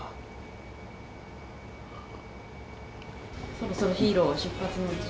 そろそろヒーロー出発の時間。